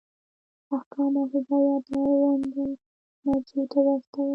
احکام او هدایات اړونده مرجعو ته واستوئ.